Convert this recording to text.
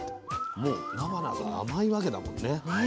もうなばなが甘いわけだもんね。